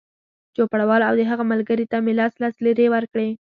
چوپړوال او د هغه ملګري ته مې لس لس لېرې ورکړې.